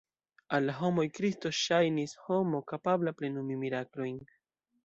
Al la homoj Kristo ŝajnis homo kapabla plenumi miraklojn.